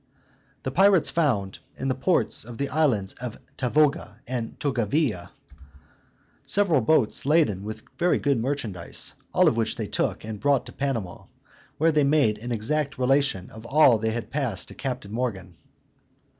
The pirates found, in the ports of the island of Tavoga and Tavogilla, several boats laden with very good merchandise; all which they took, and brought to Panama, where they made an exact relation of all that had passed to Captain Morgan.